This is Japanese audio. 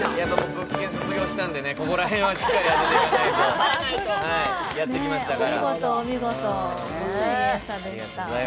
物件卒業したんでね、ここら辺はしっかり当てとかないと、やってきましたから。